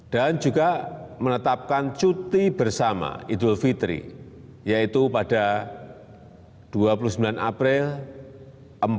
dan juga menetapkan cuti bersama idul fitri yaitu pada dua puluh sembilan april empat lima dan enam mei dua ribu dua puluh dua